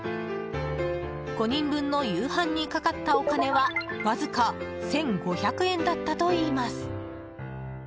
５人分の夕飯にかかったお金はわずか１５００円だったといいます。